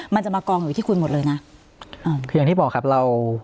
มันจะมากองอยู่ที่คุณหมดเลยนะอ่าคืออย่างที่บอกครับเรา